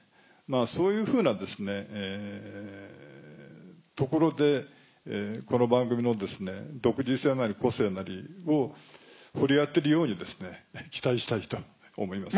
そういうふうなところでこの番組の独自性なり個性なりを掘り当てるように期待したいと思います。